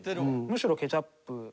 むしろケチャップ。